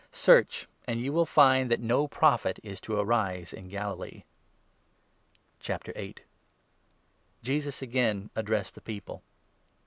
" Search, and 52 you will find that no Prophet is to arise in Galilee !" The 'Light Jesus again addressed the people.